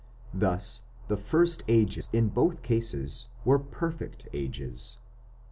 Thus the first ages in both cases were "Perfect" Ages.